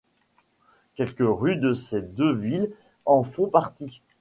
Quelques rues de ces deux villes en font partie.